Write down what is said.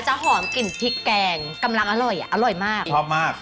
หอมกลิ่นพริกแกงกำลังอร่อยอ่ะอร่อยมากชอบมาก